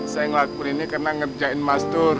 saya ngelakur ini karena ngerjain mas tur